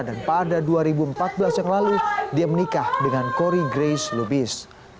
dan pada dua ribu empat belas yang lalu dia menikah dengan cori grace lubis